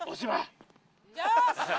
よし！